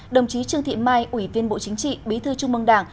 đồng chí trương thị mai ủy viên bộ chính trị bí thư trung mương đảng